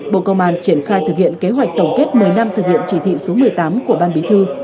bộ công an triển khai thực hiện kế hoạch tổng kết một mươi năm thực hiện chỉ thị số một mươi tám của ban bí thư